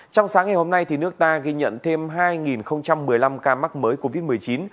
trong sáng ngày hôm nay nước ta ghi nhận thêm hai một mươi năm ca mắc mới covid một mươi chín